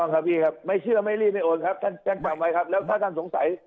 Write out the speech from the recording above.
ครับพี่ครับไม่เชื่อไม่รีบไม่โอนครับท่านแจ้งความไว้ครับแล้วถ้าท่านสงสัย